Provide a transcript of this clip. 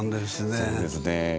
そうですね。